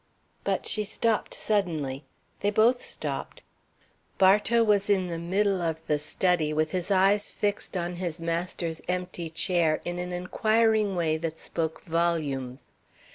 But she stopped suddenly; they both stopped. Bartow was in the middle of the study, with his eyes fixed on his master's empty chair in an inquiring way that spoke volumes.